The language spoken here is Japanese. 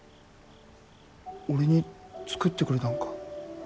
俺に作ってくれたんか？